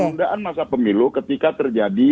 penundaan masa pemilu ketika terjadi